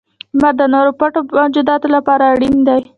• لمر د نورو پټو موجوداتو لپاره اړین دی.